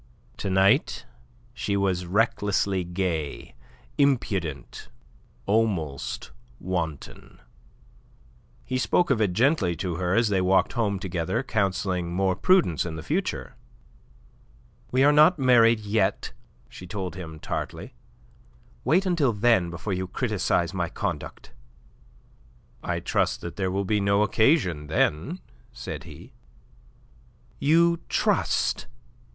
To night she was recklessly gay, impudent, almost wanton. He spoke of it gently to her as they walked home together, counselling more prudence in the future. "We are not married yet," she told him, tartly. "Wait until then before you criticize my conduct." "I trust that there will be no occasion then," said he. "You trust?